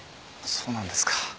そうなんですか。